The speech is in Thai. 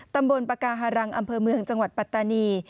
ตำบลปากาฮารังอำเภอเมืองจังหวัดปัตตานี